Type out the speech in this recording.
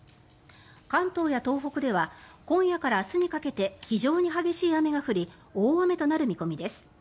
関東や東北では今夜から明日にかけて非常に激しい雨が降り大雨となる見込みです。